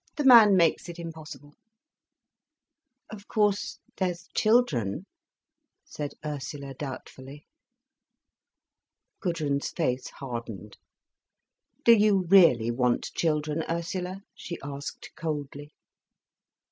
The man makes it impossible." "Of course there's children—" said Ursula doubtfully. Gudrun's face hardened. "Do you really want children, Ursula?" she asked coldly.